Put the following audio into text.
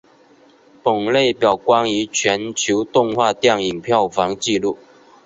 本列表关于全球动画电影票房纪录。